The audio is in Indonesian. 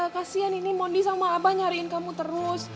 kasian ini mondi sama abah nyariin kamu terus